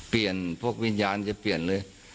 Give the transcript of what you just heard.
พวกวิญญาณจะเปลี่ยนเลย